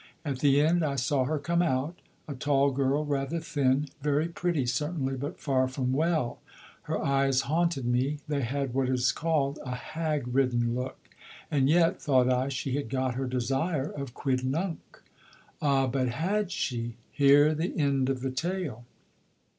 At the end I saw her come out. A tall girl, rather thin; very pretty certainly, but far from well. Her eyes haunted me; they had what is called a hag ridden look. And yet, thought I, she had got her desire of Quidnunc. Ah, but had she? Hear the end of the tale.